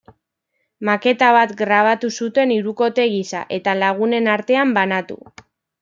Maketa bat grabatu zuten hirukote gisa, eta lagunen artean banatu.